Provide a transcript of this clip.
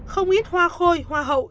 không ít hoa khôi hoa hậu